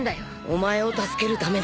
お前を助けるためだ。